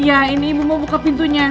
iya ini ibu mau buka pintunya